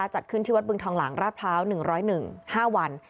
จัดขึ้นที่วัดบึงทองหลังราชพร้าว๑๐๑๕วัน